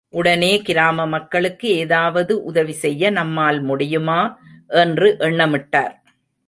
உடனே கிராம மக்களுக்கு ஏதாவது உதவி செய்ய நம்மால் முடியுமா என்று எண்ணமிட்டார்.